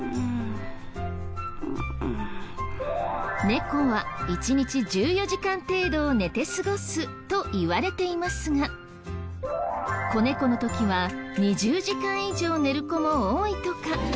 猫は一日１４時間程度を寝て過ごすといわれていますが子猫の時は２０時間以上寝る子も多いとか。